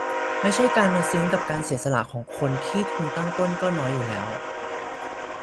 ไม่ใช่มาซึ้งกับการเสียสละของคนที่ทุนตั้งต้นก็น้อยอยู่แล้ว